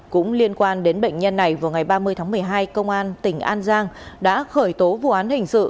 cũng liên quan đến bệnh nhân này vào ngày ba mươi tháng một mươi hai công an tỉnh an giang đã khởi tố vụ án hình sự